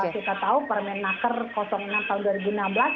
kita tahu permenaker enam tahun dua ribu enam belas